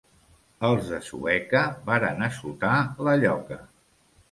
Els de Sueca varen assotar la lloca.